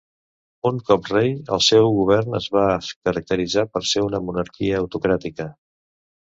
Un cop rei, el seu govern es va caracteritzar per ser una monarquia autocràtica.